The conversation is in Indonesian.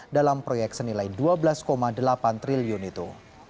dalam proyek senilai dua belas delapan triliun itu